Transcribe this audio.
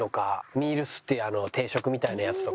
ミールスっていう定食みたいなやつとか。